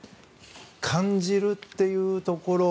感じるというところ。